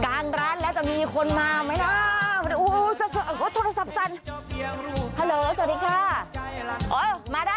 กลางร้านแล้วจะมีคนมาไหมล่ะ